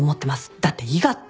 だって伊賀って。